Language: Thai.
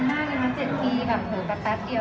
นานมากเลยนะ๗ปีแบบเหลือประตัดเดียว